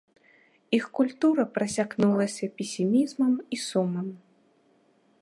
Іх культура прасякнулася песімізмам і сумам.